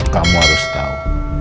kamu harus tahu